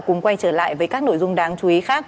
cùng quay trở lại với các nội dung đáng chú ý khác